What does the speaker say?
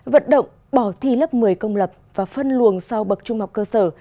vận động bỏ thi lớp một mươi công lập và phân luồng sau bậc trung học cơ sở